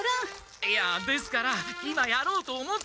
いやですから今やろうと思って！